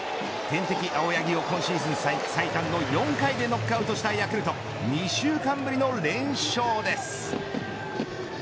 天敵青柳を今シーズン最短の４回でノックアウトさせたヤクルト２週間ぶりの連勝です。